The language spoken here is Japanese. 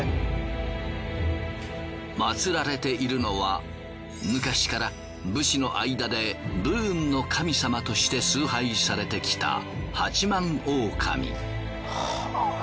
祀られているのは昔から武士の間で武運の神様として崇拝されてきた八幡大神。